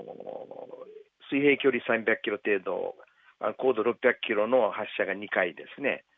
水平距離３００キロ程度、高度６００キロの発射が２回です。